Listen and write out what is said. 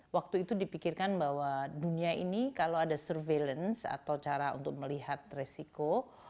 waktu itu dipikirkan bahwa dunia ini kalau ada surveillance atau cara untuk melihat resiko